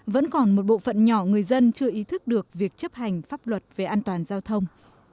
vẫn còn một bộ phận nhỏ người dân chưa ý thức được việc chấp hành pháp luật về an toàn giao thông